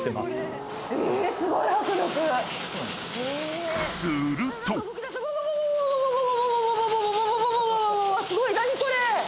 すごい！